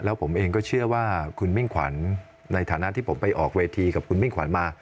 แล้วผมเองก็เชื่อว่าคุณมิ่งขวัญในฐานะที่ผมไปออกเวทีกับคุณมิ่งขวัญมา